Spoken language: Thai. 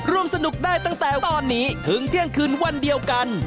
ร่วมสนุกได้ตั้งแต่ตอนนี้ถึงเที่ยงคืนวันเดียวกัน